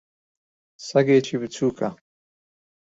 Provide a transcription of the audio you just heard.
سەگێکی بچووکە.